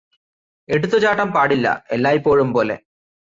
എടുത്തുചാട്ടം പാടില്ല എല്ലായ്പോഴും പോലെ